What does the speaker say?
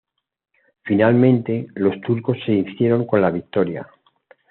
Finalmente, los turcos se hicieron con la victoria.